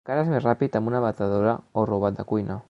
Encara és més ràpid amb una batedora o robot de cuina.